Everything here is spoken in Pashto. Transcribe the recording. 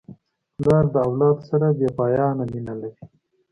پلار د اولاد سره بېپایانه مینه لري.